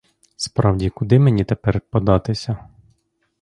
Справді, куди мені тепер податися?